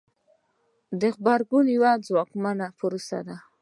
د غبرګون یوه ځواکمنه پروسه ده.